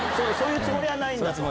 そういうつもりはないんだ？